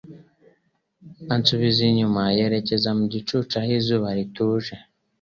ansubiza inyuma yerekeza mu gicucu aho izuba rituje